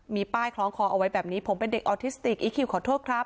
มีป้ายคล้องคอเอาไว้แบบนี้ผมเป็นเด็กออทิสติกอีคิวขอโทษครับ